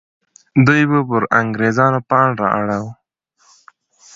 دوی به پر انګریزانو پاڼ را اړوه.